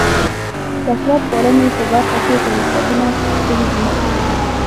کثرت پالنې په برخه کې پرمختګونه کړي دي.